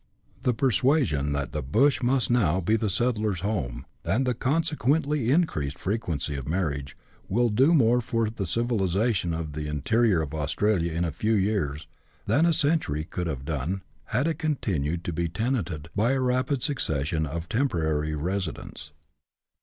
The persuasion that " the bush " must now be the settler's home, and the consequently increased frequency of marriage, will do more for tlie civilization of tlie interior of Australia in a few years than a century could have done, had it continued to be tenanted by a rapid succession of temporary re sidents.